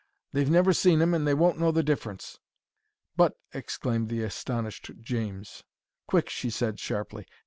"They've never seen 'im, and they won't know the difference." "But—" exclaimed the astonished James. "Quick!" she said, sharply.